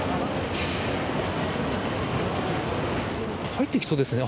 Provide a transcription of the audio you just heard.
入っていきそうですね。